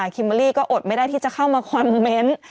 คิมเบอร์รี่ก็อดไม่ได้ที่จะเข้ามาคอมเมนต์